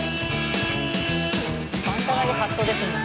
バンダナにハットですもん。